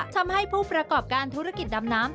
ทำให้ผู้ประกอบการธุรกิจดำน้ำ